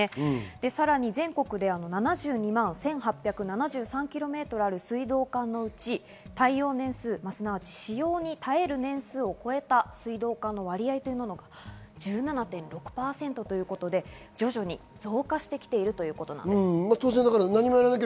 さらに全国で７２万１８７３Ｋｍある水道管のうち耐用年数すなわち使用に耐える年数を超えた水道管の割合が１７．６％ということで徐々に増加してきているということです。